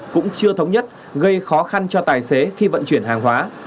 cũng chưa thống nhất gây khó khăn cho tài xế khi vận chuyển hàng hóa